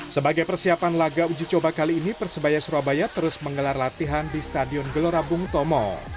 sebagai persiapan laga uji coba kali ini persebaya surabaya terus menggelar latihan di stadion gelora bung tomo